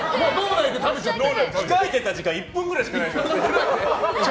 控えてた時間１分くらいしかない。